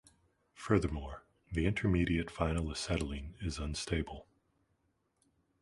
Furthermore, the intermediate vinyl acetylene is unstable.